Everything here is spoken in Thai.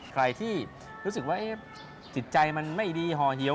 ใครที่รู้สึกว่าจิตใจมันไม่ดีห่อเหี่ยว